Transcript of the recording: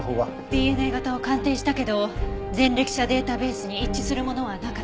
ＤＮＡ型を鑑定したけど前歴者データベースに一致するものはなかったわ。